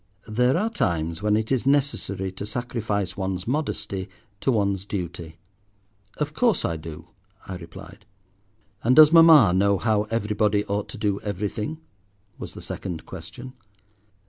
There are times when it is necessary to sacrifice one's modesty to one's duty. "Of course I do," I replied. "And does Mama know how everybody ought to do everything?" was the second question.